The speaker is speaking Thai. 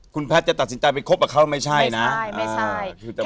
คุณแพทย์จะตัดสินใจไปคบกับเขาไม่ใช่นะใช่ไม่ใช่